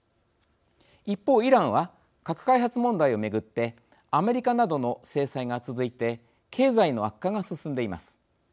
一方イランは核開発問題を巡ってアメリカなどの制裁が続いて経済の悪化が進んでいます。